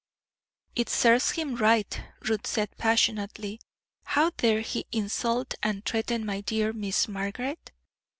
'It serves him right,' Ruth said, passionately. 'How dare he insult and threaten my dear Miss Margaret?